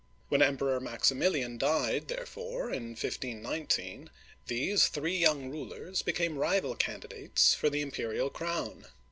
When Emperor Maximilian died, therefore, in 1519, these three young rulers became rival candidates for the imperial crown.